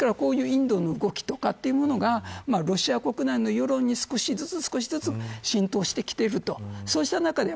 ですから、こういうインドの動きとかっていうものがロシア国内の世論に少しずつ少しずつ浸透してきていると。